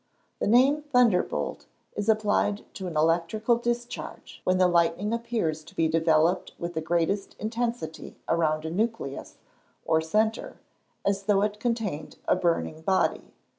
_ The name thunderbolt is applied to an electrical discharge, when the lightning appears to be developed with the greatest intensity around a nucleus, or centre, as though it contained a burning body.